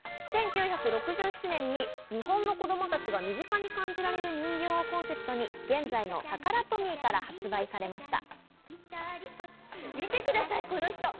１９６７年に日本の子供たちが身近に感じられる人形をコンセプトに現在のタカラトミーから発売されました。